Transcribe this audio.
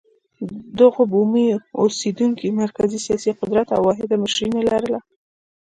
دغو بومي اوسېدونکو مرکزي سیاسي قدرت او واحده مشري نه لرله.